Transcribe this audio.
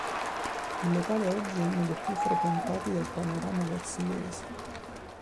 Il locale oggi è uno dei più frequentati del panorama versiliese.